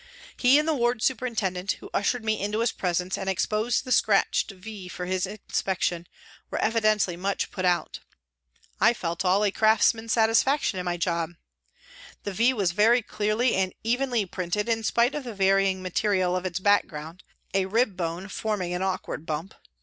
He and the ward superintendent, who ushered me into his presence and exposed the scratched " V " for his inspection, were evidently much put out. I felt all a craftsman's satisfaction in my job. The V was very clearly and evenly printed in spite of the varying material of its back ground, a rib bone forming an awkward bump.